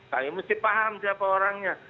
kami mesti paham siapa orangnya